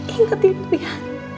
ingat itu ya